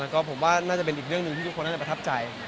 เรื่องหนึ่งที่ทุกคนอาจจะประทับใจ